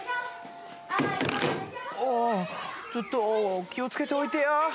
おおちょっと気を付けて置いてや。